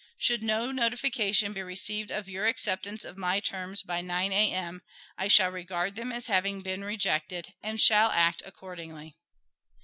Should no notification be received of your acceptance of my terms by 9 A.M., I shall regard them as having been rejected, and shall act accordingly.